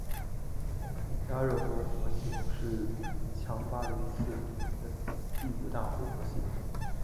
嘉热活佛系统是强巴林寺的第五大活佛系统。